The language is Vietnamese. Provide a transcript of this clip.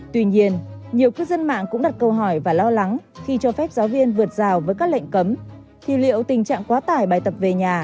tuy nhiên nhiều cư dân mạng cũng đặt câu hỏi và lo lắng khi cho phép giáo viên vượt rào với các lệnh cấm